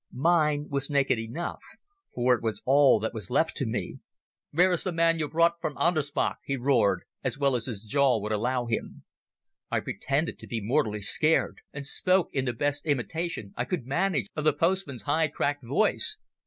Mine was naked enough, for it was all that was left to me. "Where is the man you brought from Andersbach?" he roared, as well as his jaw would allow him. I pretended to be mortally scared, and spoke in the best imitation I could manage of the postman's high cracked voice.